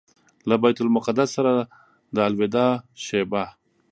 له بیت المقدس سره د الوداع شېبه.